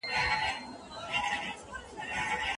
که شتمني ونه لرې نو نورو ته یې څنګه ورکولای سې.